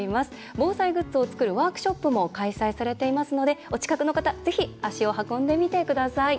防災グッズを作るワークショップも開催されていますのでお近くの方は、ぜひ足を運んでみてください。